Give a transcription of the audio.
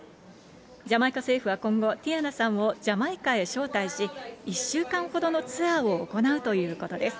ジャマイカ政府は今後、ティヤナさんはジャマイカに招待し、１週間ほどのツアーを行うということです。